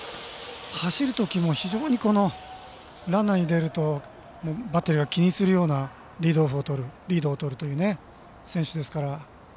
走るときも、非常にこのランナーに出るとバッテリーが気にするようなリードをとるという選手ですから。